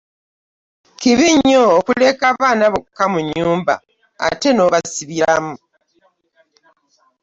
Kibi nnyo okuleka abaana bokka mu nnyumba ate n'obasibiramu.